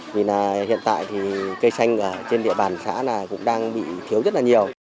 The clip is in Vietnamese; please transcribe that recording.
vì là hiện tại thì cây xanh trên địa bàn xã cũng đang bị thiếu rất là nhiều